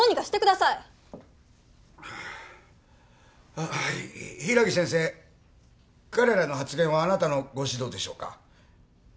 あぁ柊木先生彼らの発言はあなたのご指導でしょうか？